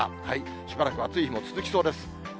しばらくは暑い日も続きそうです。